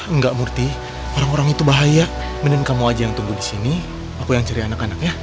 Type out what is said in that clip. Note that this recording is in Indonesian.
enggak murthy orang orang itu bahaya mendingan kamu aja yang tunggu disini aku yang cari anak anaknya